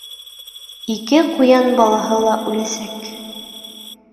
Ике ҡуян балаһы ла үләсәк.